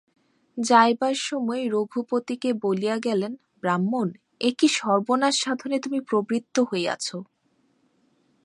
যাইবার সময় রঘুপতিকে বলিয়া গেলেন, ব্রাহ্মণ, এ কী সর্বনাশ-সাধনে তুমি প্রবৃত্ত হইয়াছ!